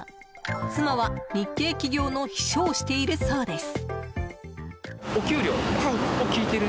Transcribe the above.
妻は日系企業の秘書をしているそうです。